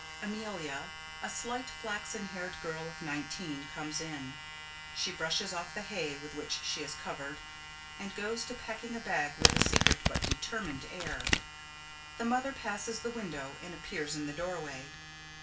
_ _Amelia, a slight, flaxen haired girl of nineteen, comes in. She brushes off the hay with which she is covered, and goes to packing a bag with a secret, but determined, air. The Mother passes the window and appears in the doorway.